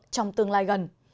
trong tương lai gần